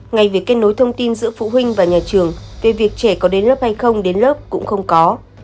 ngay việc kết nối thông tin giữa phụ huynh và nhà trường về việc trẻ có đến lớp hay không đến lớp cũng không có